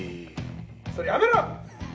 それやめろ！